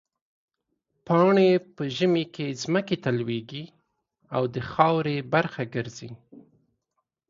پاڼې په ژمي کې ځمکې ته لوېږي او د خاورې برخه ګرځي.